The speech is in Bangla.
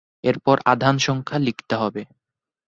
এরপর আধান সংখ্যা লিখতে হবে।